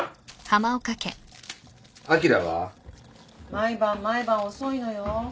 毎晩毎晩遅いのよ。